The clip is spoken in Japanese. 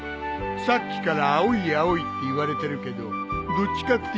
さっきから青い青いって言われてるけどどっちかっていうと紫だけどね。